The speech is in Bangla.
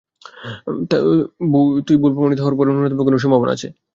তুই ভুল প্রমাণিত হওয়ার ন্যুনতম কোনও সম্ভাবনা আছে?